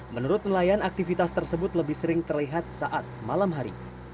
menurut nelayan aktivitas tersebut lebih sering terlihat saat malam hari